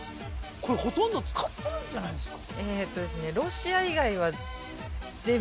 これほとんど使ってるんじゃないんですか？